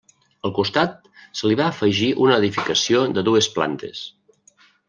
Al costat se li va afegir una edificació de dues plantes.